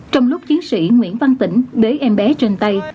trong lúc chiến sĩ nguyễn văn tĩnh bế em bé trên tay